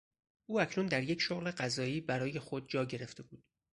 او اکنون در یک شغل قضایی برای خود جا گرفته بود.